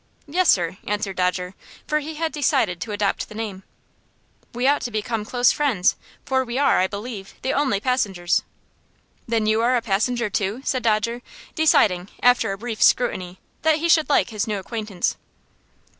"Yes, sir," answered Dodger, for he had decided to adopt the name. "We ought to become close friends, for we are, I believe, the only passengers." "Then you are a passenger, too?" said Dodger, deciding, after a brief scrutiny, that he should like his new acquaintance.